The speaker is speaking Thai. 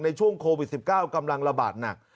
ในช่วงโควิด๑๙กำลังระบาดหนัก